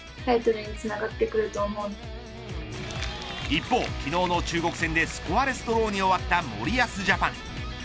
一方、昨日の中国戦でスコアレスドローに終わった森保ジャパン。